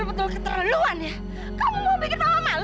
mama tuh lihat masih atas